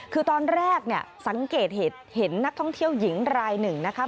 คือตอนแรกเนี่ยสังเกตเห็นนักท่องเที่ยวหญิงรายหนึ่งนะคะ